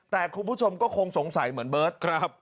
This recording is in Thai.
แต่คุณผู้ชมก็คงสงสัยเหมือนเบิร์ตครับ